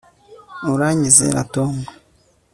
uranyizera, tom